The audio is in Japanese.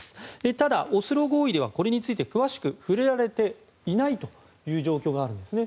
ただ、オスロ合意ではこれについて詳しく触れられていない状況があるんですね。